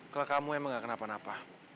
kalau kamu emang gak kenapa napa